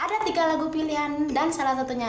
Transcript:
ada tiga lagu pilihan dan salah satunya